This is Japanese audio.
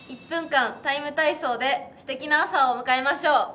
１分間、「ＴＩＭＥ，体操」で、すてきな朝を迎えましょう。